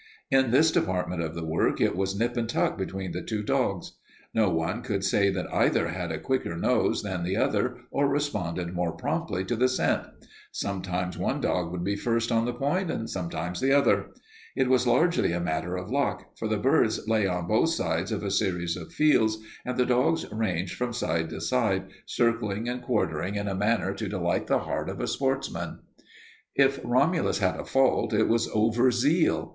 In this department of the work it was nip and tuck between the two dogs. No one could say that either had a quicker nose than the other or responded more promptly to the scent. Sometimes one dog would be first on the point, sometimes the other. It was largely a matter of luck, for the birds lay on both sides of a series of fields, and the dogs ranged from side to side, circling and quartering in a manner to delight the heart of a sportsman. If Romulus had a fault it was overzeal.